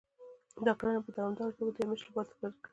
دا کړنه په دوامداره توګه د يوې مياشتې لپاره تکرار کړئ.